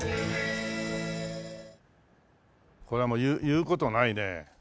これはもう言う事ないね。